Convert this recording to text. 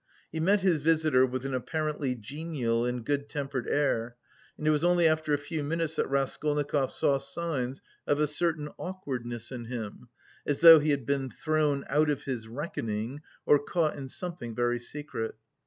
He met his visitor with an apparently genial and good tempered air, and it was only after a few minutes that Raskolnikov saw signs of a certain awkwardness in him, as though he had been thrown out of his reckoning or caught in something very secret.